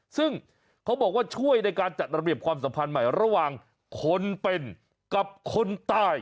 ซึ่งเขาบอกว่าช่วยในการจัดระเบียบความสัมพันธ์ใหม่ระหว่างคนเป็นกับคนตาย